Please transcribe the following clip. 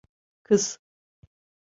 Kız.